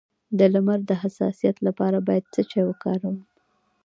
د لمر د حساسیت لپاره باید څه شی وکاروم؟